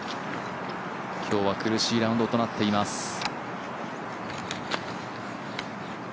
今日は苦しいラウンドとなっています。